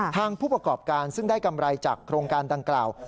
ผู้ประกอบการซึ่งได้กำไรจากโครงการดังกล่าว